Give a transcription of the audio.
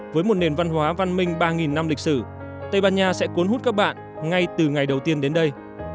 với một nền văn hóa văn minh ba năm lịch sử tây ban nha sẽ cuốn hút các bạn ngay từ ngày đầu tiên đến đây